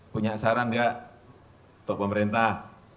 punya saran enggak toh pemerintah